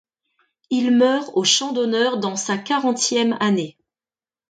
Il meurt au champ d'honneur dans sa quarantième année.